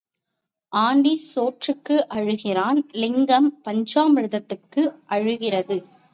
Aunty சோற்றுக்கு அழுகிறான் லிங்கம் பஞ்சாமிர்தத்துக்கு அழுகிறது.